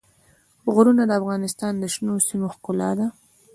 غرونه د افغانستان د شنو سیمو ښکلا ده.